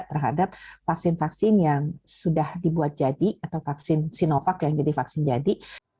terhadap vaksin vaksin yang sudah dibuat jadi atau vaksin sinovac yang jadi vaksin jadi